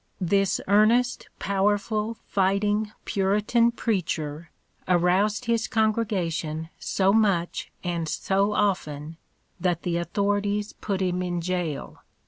This earnest, powerful, fighting Puritan preacher aroused his congregation so much and so often that the authorities put him in jail.